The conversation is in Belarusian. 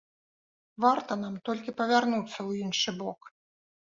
Варта нам толькі павярнуцца ў іншы бок.